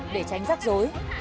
để tránh giá trị